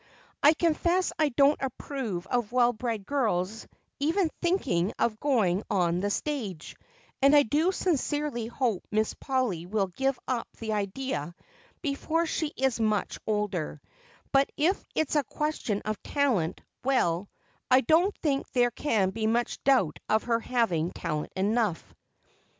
I confess I don't approve of well bred girls even thinking of going on the stage, and I do sincerely hope Miss Polly will give up the idea before she is much older, but if it's a question of talent, well, I don't think there can be much doubt of her having talent enough."